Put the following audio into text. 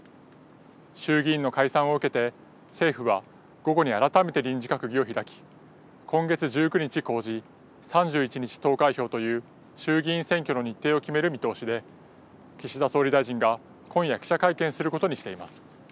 衆議院の解散を受けて政府は午後に改めて臨時閣議を開き、今月１９日公示、３１日投開票という衆議院選挙の日程を決める見通しで岸田総理大臣が今夜、記者会見することにしています。